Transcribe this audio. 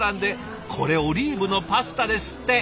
これオリーブのパスタですって！